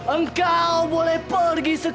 engkau boleh pergi sekarang